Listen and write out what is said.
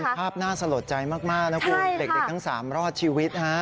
เป็นภาพน่าสะโหลดใจมากนะครูเด็กทั้ง๓รอดชีวิต